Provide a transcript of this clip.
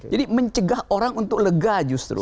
tapi itu mencegah orang untuk lega justru